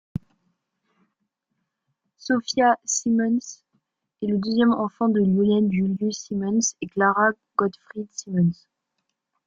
Sofia Simmonds est le deuxième enfant de Lionel Julius Simmonds et Clara Gottfried Simmonds.